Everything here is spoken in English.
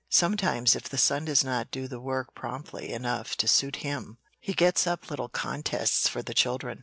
Sometimes, if the sun does not do the work promptly enough to suit him, he gets up little contests for the children.